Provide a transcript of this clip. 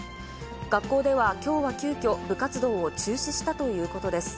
学校ではきょうは急きょ、部活動を中止したということです。